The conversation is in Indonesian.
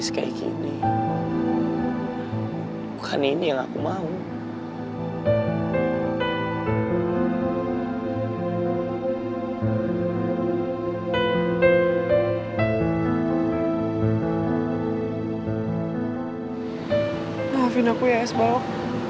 supaya kamu gak under pressure